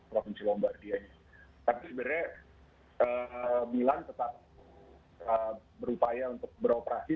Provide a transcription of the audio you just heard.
tapi sebenarnya milan tetap berupaya untuk beroperasi